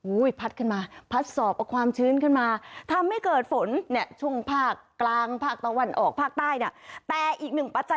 อุ้ยพัดขึ้นมาพัดสอบเอาความชื้นขึ้นมา